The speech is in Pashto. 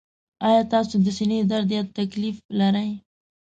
ایا تاسو د سینې درد یا تکلیف لرئ؟